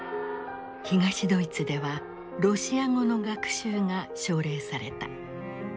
東ドイツではロシア語の学習が奨励された。